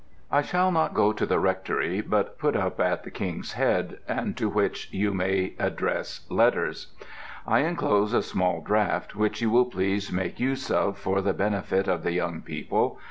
I shall not go to the Rectory, but put up at the King's Head, and to which you may address letters. I enclose a small draft, which you will please make use of for the benefit of the young people.